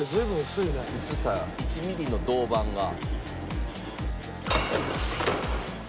薄さ１ミリの銅板が。